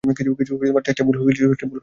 কিছু টেস্টে ভুল হয়।